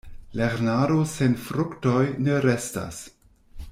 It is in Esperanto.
Lernado sen fruktoj ne restas.